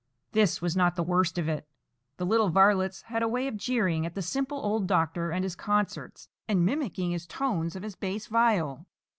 This was not the worst of it. The little varlets had a way of jeering at the simple old doctor and his concerts, and mimicking the tones of his bass viol.